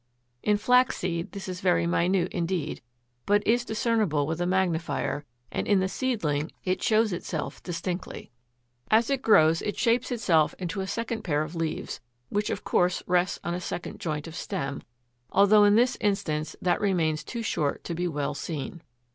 In flax seed this is very minute indeed, but is discernible with a magnifier, and in the seedling it shows itself distinctly (Fig. 5, 6, 7). 13. As it grows it shapes itself into a second pair of leaves, which of course rests on a second joint of stem, although in this instance that remains too short to be well seen.